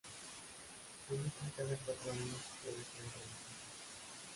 Se eligen cada cuatro años y pueden ser reelegidos.